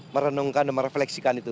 merenungkan dan merefleksikan itu